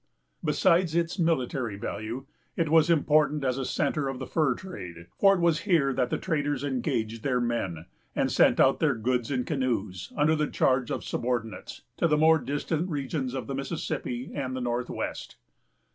Besides its military value, it was important as a centre of the fur trade; for it was here that the traders engaged their men, and sent out their goods in canoes, under the charge of subordinates, to the more distant regions of the Mississippi and the North west.